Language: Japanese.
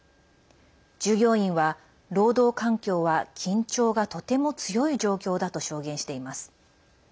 従業員は労働環境は緊張がとても強い状況だと証言しています。